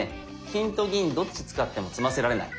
金と銀どっち使っても詰ませられない。